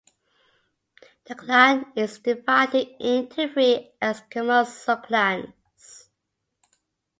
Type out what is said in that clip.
The clan is divided into three exogamous sub-clans.